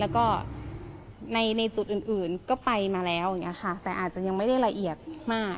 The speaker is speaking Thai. แล้วก็ในจุดอื่นก็ไปมาแล้วแต่อาจจะยังไม่ได้ละเอียดมาก